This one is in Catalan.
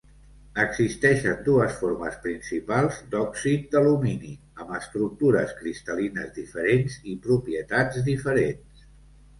Existeixen dues formes principals d'òxid d'alumini amb estructures cristal·lines diferents i propietats diferents.